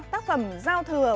tác phẩm giao thừa